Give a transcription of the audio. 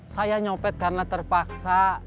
saya nyopet karena terpaksa